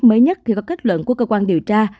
mới nhất khi có kết luận của cơ quan điều tra